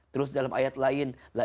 terus dalam ayat lain